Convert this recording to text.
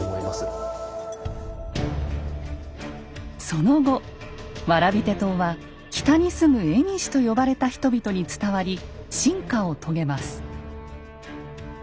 その後蕨手刀は北に住む蝦夷と呼ばれた人々に伝わり進化を遂げます。